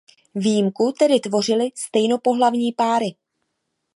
Výjimku tedy tvořily stejnopohlavní páry.